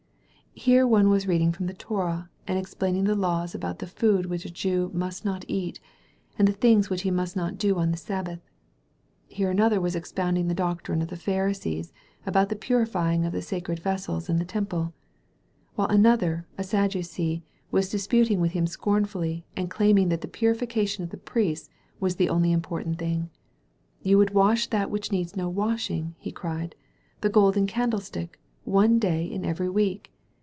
Here one was reading from the Torah and ex plaining the laws about the food which a Jew must not eat» and the things which he must not do on the Sabbath. Here another was expounding the doctrine of the Pharisees about the purifying of the sacred vessels in the Temple; while another, a Sadducee, was disputing with him scornfully and claimiog that the purification of the priests was the only important thing. *'You would wash that which needs no washing/' he cried, "the Golden Candlestick, one day in every week